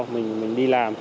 mình đi làm